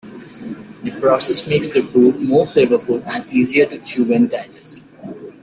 This process makes the food more flavorful and easier to chew and digest.